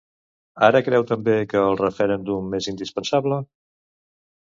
Ara creu també que el referèndum és indispensable?